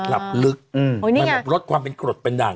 มันลดความเป็นกรดเป็นดัง